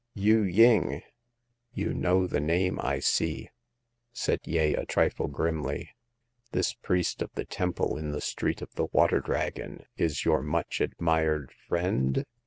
Yu ying !"" You know the name, I see," said Yeh, a trifle grimly ;" this priest of the temple in the Street of the Water Dragon is your much admired friend